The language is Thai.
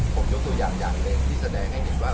ผมยกตัวอย่างเลยที่แสดงให้เห็นว่า